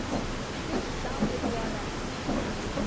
Пеш тамле туара!